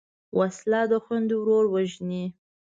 وسله د خویندو ورور وژني